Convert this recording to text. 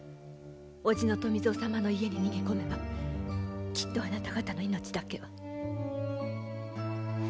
叔父の富蔵様の家に逃げ込めばきっとあなた方の命だけは。